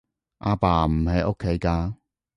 阿爸唔喺屋企㗎